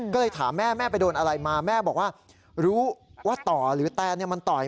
ก็เลยถามแม่แม่ไปโดนอะไรมาแม่บอกว่ารู้ว่าต่อหรือแตนมันต่อย